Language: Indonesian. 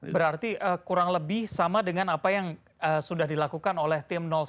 berarti kurang lebih sama dengan apa yang sudah dilakukan oleh tim satu